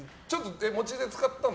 餅で使ったの？